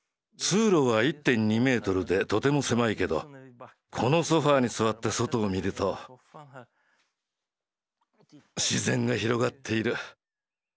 通路は１．２ｍでとても狭いけどこのソファーに座って外を見ると自然が広がっている。